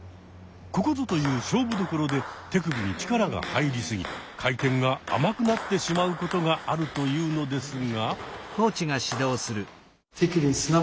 ここぞという勝負どころで手首に力が入りすぎ回転が甘くなってしまうことがあるというのですが。